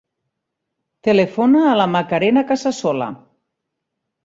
Telefona a la Macarena Casasola.